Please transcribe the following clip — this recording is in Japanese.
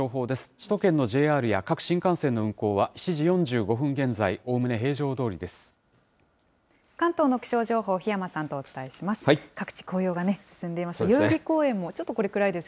首都圏のＪＲや各新幹線の運行は、７時４５分現在、関東の気象情報、檜山さんとお伝えします。